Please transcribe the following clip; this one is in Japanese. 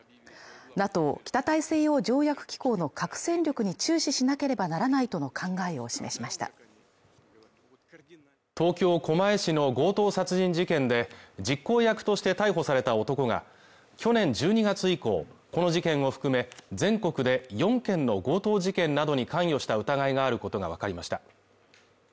ＮＡＴＯ＝北大西洋条約機構の核戦力に注視しなければならないとの考えを示しました東京狛江市の強盗殺人事件で、実行役として逮捕された男が去年１２月以降、この事件を含め、全国で４件の強盗事件などに関与した疑いがあることがわかりました。